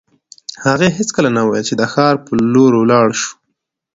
هغې هېڅکله نه ویل چې د ښار په لور ولاړ شو